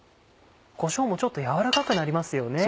こしょうもちょっと軟らかくなりますよね。